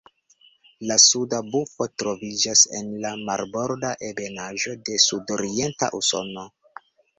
La Suda bufo troviĝas en la marborda ebenaĵo de sudorienta Usono.